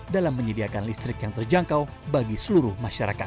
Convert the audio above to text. dalam menyediakan listrik yang terjangkau bagi seluruh masyarakat